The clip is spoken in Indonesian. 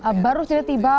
yang baru tiba tiba